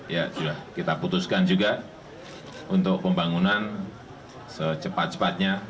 ya sudah kita putuskan juga untuk pembangunan secepat cepatnya